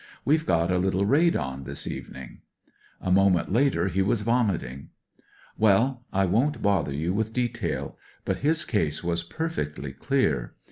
We've got a little raid on this evening.' A moment later he was vomiting. Well, I won't bother you with detail, but his case was per fectly dear.